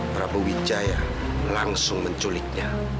prabu wijaya langsung menculiknya